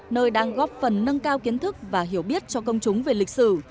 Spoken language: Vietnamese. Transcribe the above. nơi đang góp phần nâng cao kiến thức và hiểu biết cho công chúng về lịch sử